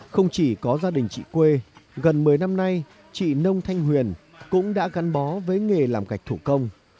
không chỉ có gia đình chị quê gần một mươi năm nay chị nông thanh huyền cũng đã gắn bó với nghề làm gạch thủ công